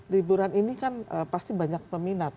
liburan ini kan pasti banyak peminat